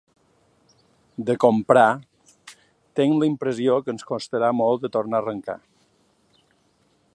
De comprar… Tinc la impressió que ens costarà molt de tornar a arrencar.